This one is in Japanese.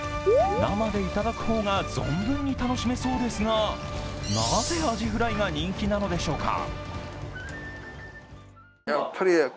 生で頂く方が、存分に楽しめそうですが、なぜアジフライが人気なのでしょうか。